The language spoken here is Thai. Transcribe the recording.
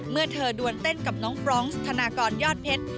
เมื่อเธอดวนเต้นกับน้องฟรองก์ธนากรยอดเพชร